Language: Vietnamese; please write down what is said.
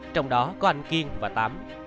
trong đó có anh kiên và tám